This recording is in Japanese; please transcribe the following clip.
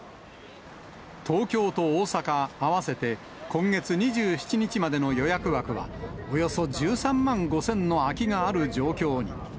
東京と大阪、合わせて今月２７日までの予約枠はおよそ１３万５０００の空きがある状況に。